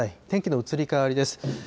天気の移り変わりです。